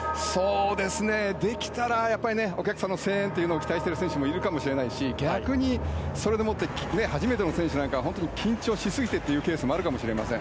できたらお客さんの声援を期待している選手もいるかもしれないし逆にそれでもって初めての選手なんかは緊張しすぎてなんていうケースもあるかもしれません。